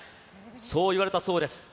そう言われたそうです。